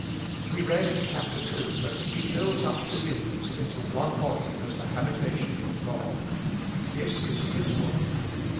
We read in chap ter two that He builds up believers into one body as the habitation of God. This is His work.